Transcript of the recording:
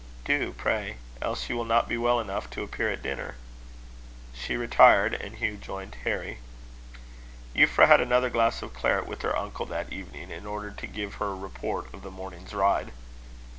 "Do, pray; else you will not be well enough to appear at dinner." She retired, and Hugh joined Harry. Euphra had another glass of claret with her uncle that evening, in order to give her report of the morning's ride.